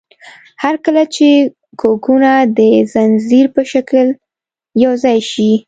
هر کله چې کوکونه د ځنځیر په شکل یوځای شي.